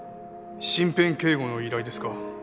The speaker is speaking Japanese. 身辺警護の依頼ですか？